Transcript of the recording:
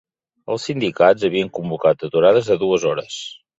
Els sindicats havien convocat aturades de dues hores